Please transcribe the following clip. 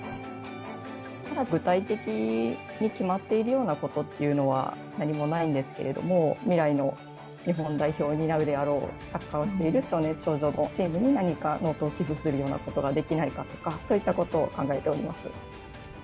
まだ具体的に決まっているようなことっていうのは何もないんですけれども、未来の日本代表を担うであろう、サッカーをしている少年少女のために何かノートを寄付するようなことができないかとか、そういったことを考えております。